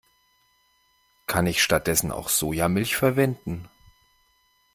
Kann ich stattdessen auch Sojamilch verwenden?